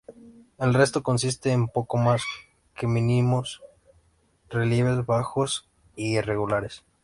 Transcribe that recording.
El resto consiste en poco más que mínimos relieves bajos e irregulares.